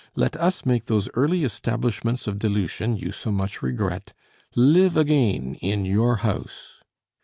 Let us make those early establishments of dilution you so much regret live again in your house."